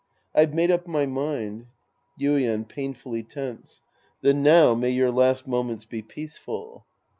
I've made up my mind. Yuien {painfully tense). Then now may your last moments be peaceful.